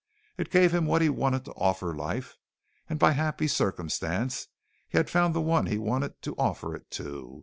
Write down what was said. It gave him what he wanted to offer life, and by happy circumstance, he had found the one he wanted to offer it to.